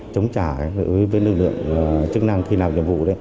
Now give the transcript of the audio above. chống trả với lực lượng chức năng khi nào nhiệm vụ